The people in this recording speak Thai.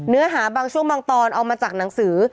เนื้อหาบางช่วงบางตอนเอามาจากหนังสือ